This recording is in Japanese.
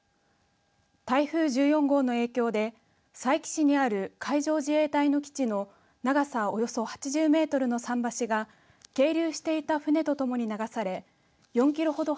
台風１４号の影響で佐伯市にある海上自衛隊の基地の長さおよそ８０メートルの桟橋が係留していた船とともに流され４キロほど